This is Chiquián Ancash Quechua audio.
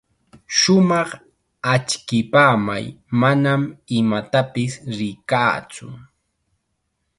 Shumaq achkipamay, manam imatapis rikaatsu.